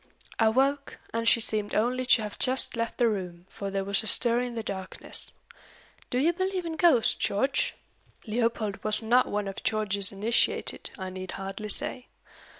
I woke, and she seemed only to have just left the room, for there was a stir in the darkness. Do you believe in ghosts, George?" Leopold was not one of George's initiated, I need hardly say.